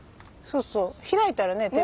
そうそう開いたらね